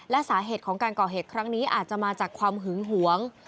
และสาเหตุของการก่อเหตุครั้งนี้อาจจะมาจากความหึงหวง